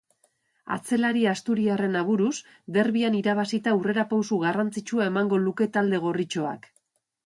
Atzelari asturiarren aburuz, derbian irabazita aurrerapausu garrantzitsua emango luke talde gorritxoak.